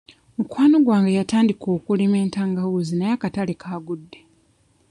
Mukwano gwange yatandika okulima entangawuuzi naye akatale kaagudde.